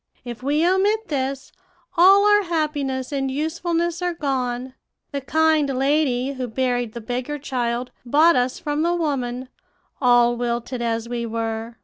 If we omit this, all our happiness and usefulness are gone. The kind lady who buried the beggar child bought us from the woman, all wilted as we were.